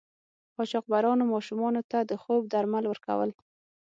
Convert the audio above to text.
قاچاقبرانو ماشومانو ته د خوب درمل ورکول.